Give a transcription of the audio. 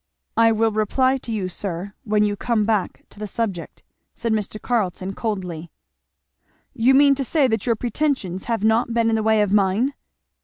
"I will reply to you, sir, when you come back to the subject," said Mr. Carleton coldly. "You mean to say that your pretensions have not been in the way of mine?"